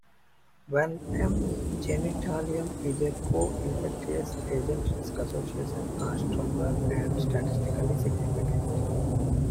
When "M. genitalium" is a co-infectious agent risk associations are stronger and statistically significant.